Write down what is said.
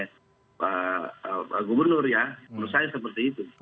ya kalau belum siap banyak bicara saya akan mengatakan